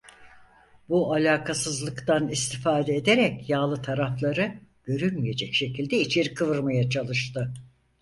Bu alakasızlıktan istifade ederek yağlı tarafları, görünmeyecek şekilde içeri kıvırmaya çalıştı.